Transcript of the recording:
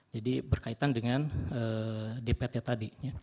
berkaitan dengan dpt tadi